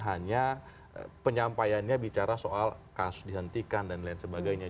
hanya penyampaiannya bicara soal kasus dihentikan dan lain sebagainya